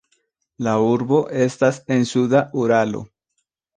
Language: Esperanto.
La urbo estas en suda Uralo.